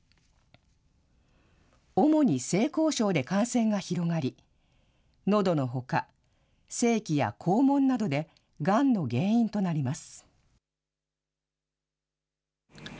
主に性交渉で感染が広がり、のどのほか、性器や肛門などでがんの原因となります。